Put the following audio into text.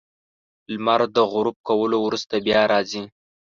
• لمر د غروب کولو وروسته بیا راځي.